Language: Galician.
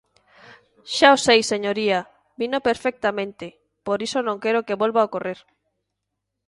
Xa o sei señoría, vino perfectamente, por iso non quero que volva ocorrer.